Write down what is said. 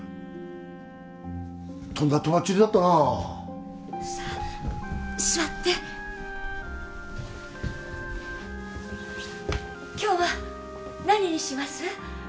とんだとばっちりだったなさあ座って今日は何にします？